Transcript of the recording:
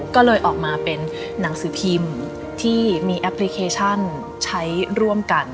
ก็เลยออกมาเป็นหนังสือพิมพ์ที่มีแอปพลิเคชันใช้ร่วมกัน